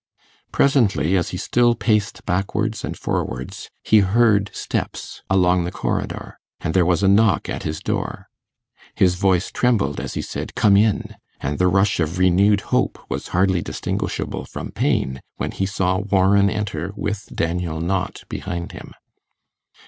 Presently, as he still paced backwards and forwards, he heard steps along the corridor, and there was a knock at his door. His voice trembled as he said 'Come in', and the rush of renewed hope was hardly distinguishable from pain when he saw Warren enter with Daniel Knott behind him.